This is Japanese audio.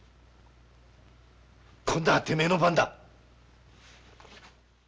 今度はてめえの番だ。